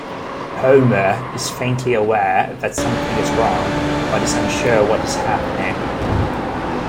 Homer is faintly aware that something is wrong, but is unsure what is happening.